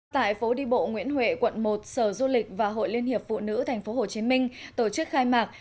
tại phố đi bộ nguyễn huệ quận một sở du lịch và hội liên hiệp phụ nữ tp hcm tổ chức khai mạc